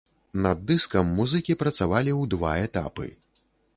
Над дыскам музыкі працавалі ў два этапы.